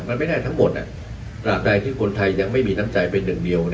มันไม่ได้ทั้งหมดตราบใดที่คนไทยยังไม่มีน้ำใจเป็นหนึ่งเดียว